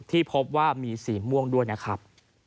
ที่พบว่ามีสีม่วงด้วยนะครับ